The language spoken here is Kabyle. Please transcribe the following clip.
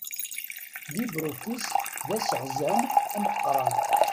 LibreOffice d aseɣzan ameqqran.